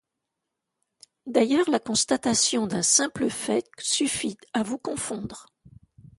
D'ailleurs, la constatation d'un simple fait suffit à vous confondre.